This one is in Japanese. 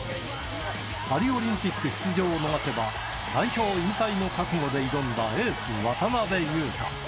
パリオリンピック出場を逃せば、代表引退の覚悟で挑んだエース、渡邊雄太。